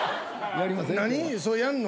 何？やんの？